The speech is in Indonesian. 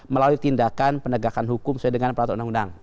melalui tindakan penegakan hukum sesuai dengan peraturan undang undang